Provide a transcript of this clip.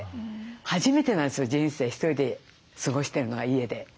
初めてなんですよ人生ひとりで過ごしてるのが家で。